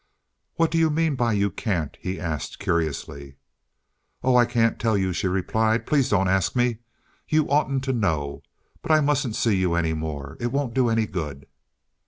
"What do you mean by you can't?" he asked, curiously. "Oh, I can't tell you," she replied. "Please don't ask me. You oughtn't to know. But I mustn't see you any more. It won't do any good."